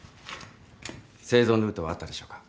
生存ルートはあったでしょうか？